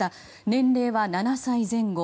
年齢は７歳前後。